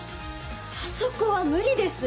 あそこは無理です